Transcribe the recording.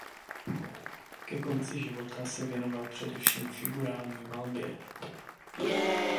Ke konci života se věnoval především figurální malbě.